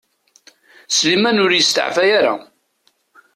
Sliman ur yesteɛfay ara.